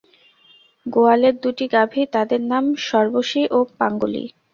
গোয়ালের দুটি গাভী, তাহাদের নাম সর্বশী ও পাঙ্গুলি।